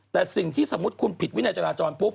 แต่สิ่งที่สมมุติคุณผิดวินัยจราจรปุ๊บ